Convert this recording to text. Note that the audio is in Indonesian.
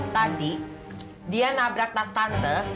tadi dia nabrak tas tante